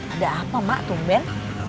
ada apa mak tunggu ben